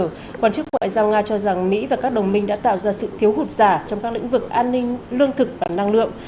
ngoại trưởng nga sergei lavrov cho rằng mỹ và các đồng minh đã tạo ra sự thiếu hụt giả trong các lĩnh vực an ninh lương thực và năng lượng